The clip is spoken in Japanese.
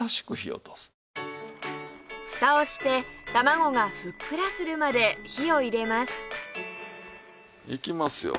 蓋をして卵がふっくらするまで火を入れますいきますよ。